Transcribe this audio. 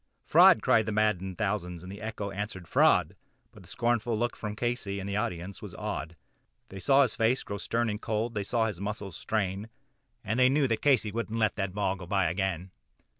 "Fraud!" yelled the maddened thousands, and the echo answered "Fraud," But one scornful look from Casey and the audience was awed; They saw his face grow stern and cold; they saw his muscles strain, And they knew that Casey would not let that ball go by again.